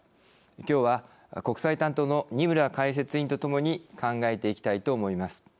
きょうは国際担当の二村解説委員とともに考えていきたいと思います。